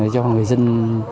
cho người dân